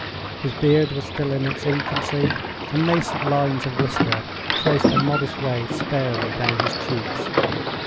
His beard was still in its infancy; and nascent lines of whisker traced their modest way sparely down his cheeks.